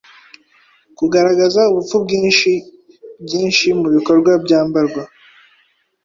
Kugaragaza ubupfu bwinshi, Byinshi mubikorwa byambarwa,